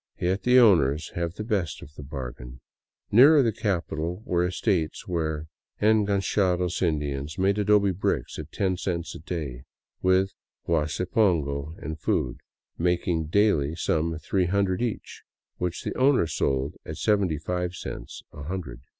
Yet the owners have the best of the bargain. Nearer the capital were estates where en ganchados Indians made adobe bricks at ten cents a day, with huasi pongo and food, making daily some three hundred each, which the owner sold at seventy five cents a hundred.